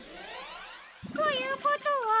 ということは。